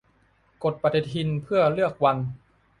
กดปฏิทินเพื่อเลือกวัน